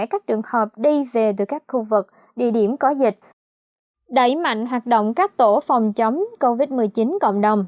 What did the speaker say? các trường hợp đi về từ các khu vực địa điểm có dịch đẩy mạnh hoạt động các tổ phòng chống covid một mươi chín cộng đồng